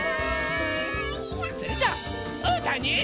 それじゃあうーたんに。